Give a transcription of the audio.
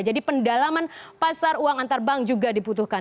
jadi pendalaman pasar uang antar bank juga diputuhkan